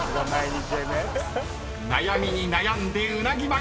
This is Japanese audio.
［悩みに悩んでうなぎ巻き］